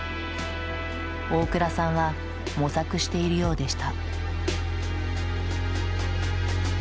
大倉さんは模索しているようでした。